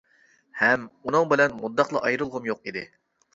ھەم ئۇنىڭ بىلەن مۇنداقلا ئايرىلغۇم يوق ئىدى.